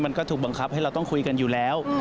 มันก็ถูกบังคับให้เราต้องคุยกันอยู่แล้ว